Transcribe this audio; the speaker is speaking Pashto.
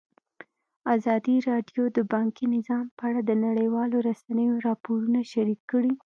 ازادي راډیو د بانکي نظام په اړه د نړیوالو رسنیو راپورونه شریک کړي.